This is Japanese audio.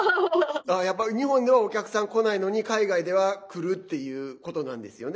やっぱり日本ではお客さん来ないのに海外では来るっていうことなんですよね？